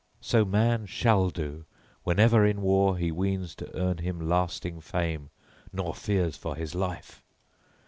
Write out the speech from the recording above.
So man shall do whenever in war he weens to earn him lasting fame, nor fears for his life!